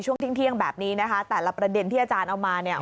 ช่วงเที่ยงแบบนี้นะคะแต่ละประเด็นที่อาจารย์เอามาเนี่ย